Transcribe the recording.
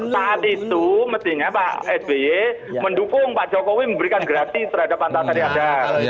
saat itu mestinya pak sby mendukung pak jokowi memberikan grasi terhadap antasari hadar